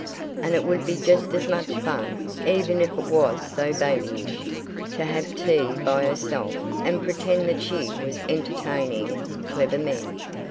And it would be just as much fun, even if it was so babyish, to have tea by herself and pretend that she was entertaining clever men.